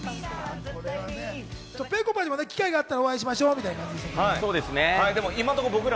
ぺこぱにも機会があったらお会いしましょうって言ってたけど。